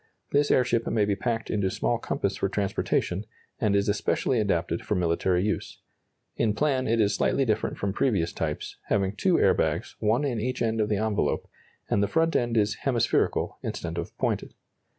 This airship may be packed into small compass for transportation, and is especially adapted for military use. In plan it is slightly different from previous types, having two air bags, one in each end of the envelope, and the front end is hemispherical instead of pointed.